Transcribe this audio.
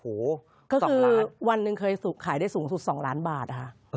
ก็คือวันนึงเคยขายได้สูงสุด๒ล้านบาท